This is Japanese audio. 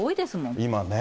今ね。